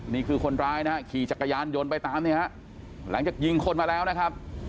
นี่คือคนร้ายนะฮะขี่จักรยานยนต์ไปตามเนี่ยฮะหลังจากยิงคนมาแล้วนะครับ